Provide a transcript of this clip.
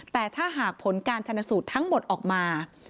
แต่ถ้าหากผลการชนสูตรทั้งหมดออกมา